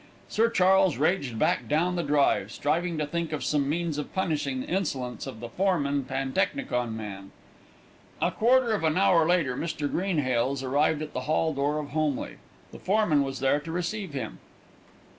Sir Charles raged back down the drive, striving to think of some means of punishing the insolence of the foreman pantechnicon man. A quarter of an hour later Mr. Greenhales arrived at the hall door of Holmleigh. The foreman was there to receive him.